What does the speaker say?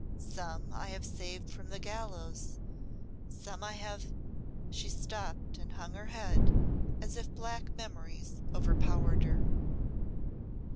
Some I have saved from the gallows. Some I have " she stopped and hung her head as if black memories overpowered her.